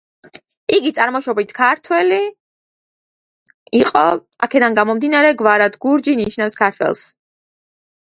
იგი წარმოშობით იყო ქართველი, აქედან გამომდინარე გვარად გურჯი, რაც ნიშნავს „ქართველს“.